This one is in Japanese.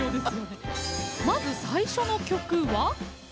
まず、最初の曲は？